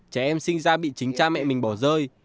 trẻ em sinh ra bị chính cha mẹ mình bỏ rơi